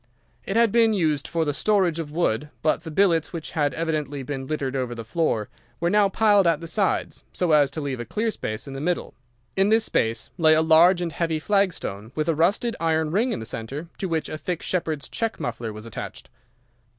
"It had been used for the storage of wood, but the billets, which had evidently been littered over the floor, were now piled at the sides, so as to leave a clear space in the middle. In this space lay a large and heavy flagstone with a rusted iron ring in the centre to which a thick shepherd's check muffler was attached.